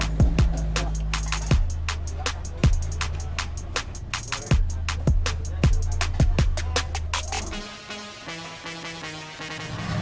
itu bisa eharismen dong